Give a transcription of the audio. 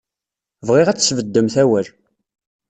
Bɣiɣ ad tesbeddemt awal.